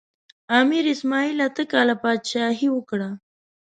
امیر اسماعیل اته کاله پاچاهي وکړه.